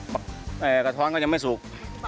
กระท้อนก็ยังไม่สุก